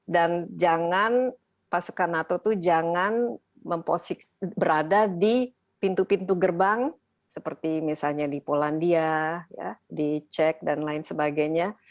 dan jangan pasukan nato itu jangan berada di pintu pintu gerbang seperti misalnya di polandia di cek dan lain sebagainya